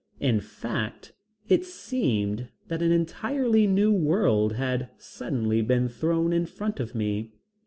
In fact it seemed that an entirely new world had suddenly been thrown in front of me.